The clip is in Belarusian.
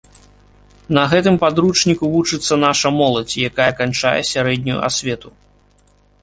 На гэтым падручніку вучыцца наша моладзь, якая канчае сярэднюю асвету.